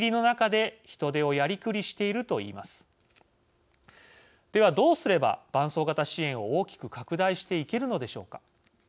では、どうすれば伴走型支援を大きく拡大していけるのでしょうか。